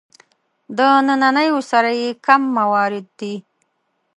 د نننیو سره یې کم موارد دي.